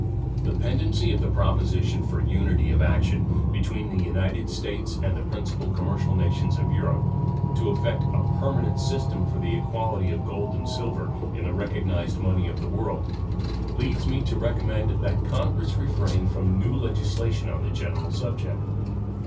The pendency of the proposition for unity of action between the United States and the principal commercial nations of Europe to effect a permanent system for the equality of gold and silver in the recognized money of the world leads me to recommend that Congress refrain from new legislation on the general subject.